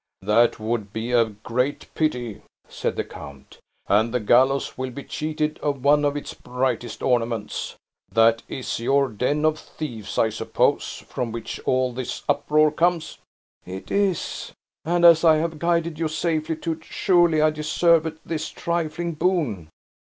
"That would be a great pity!" said the count; "and the gallows will be cheated of one of its brightest ornaments! That is your den of thieves, I suppose, from which all this uproar comes?" "It is. And as I have guided you safely to it, surely I deserve this trifling boon."